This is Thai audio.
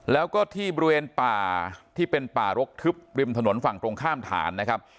แล้วก็ที่บริเวณป่าที่เป็นป่ารกทึบริมถนนฝั่งตรงข้ามฐานนะครับ